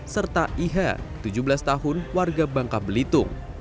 serta iha tujuh belas tahun warga bangka belitung